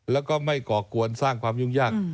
แล้วก็ไม่ก่อกวนสร้างความยุ่งยาก